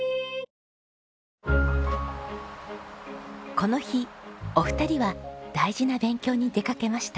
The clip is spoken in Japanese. この日お二人は大事な勉強に出かけました。